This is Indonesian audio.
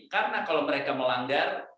karena kalau mereka melanggar